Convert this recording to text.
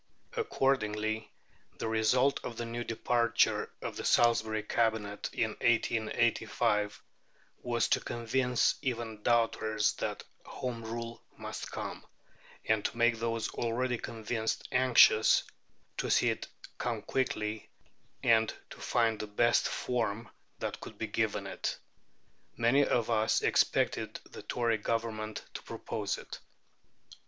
Accordingly the result of the new departure of the Salisbury Cabinet in 1885 was to convince even doubters that Home Rule must come, and to make those already convinced anxious to see it come quickly, and to find the best form that could be given it. Many of us expected the Tory Government to propose it.